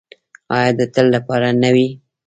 آیا د تل لپاره نه وي؟